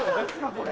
これ。